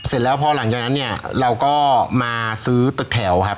เสร็จแล้วพอหลังจากนั้นเนี่ยเราก็มาซื้อตึกแถวครับ